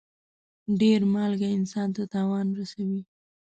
ډېر مالګه انسان ته تاوان رسوي.